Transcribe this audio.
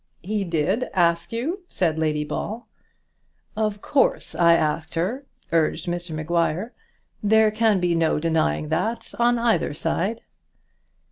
"He did ask you?" said Lady Ball. "Of course I asked her," urged Mr Maguire. "There can be no denying that on either side."